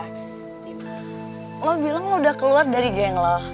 tiba tiba lu bilang lu udah keluar dari geng lu